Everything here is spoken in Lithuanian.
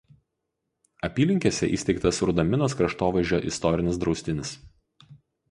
Apylinkėse įsteigtas Rudaminos kraštovaizdžio istorinis draustinis.